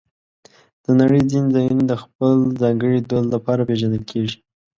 د نړۍ ځینې ځایونه د خپل ځانګړي دود لپاره پېژندل کېږي.